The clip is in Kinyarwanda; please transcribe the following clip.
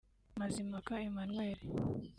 Mazimpaka Emmanuel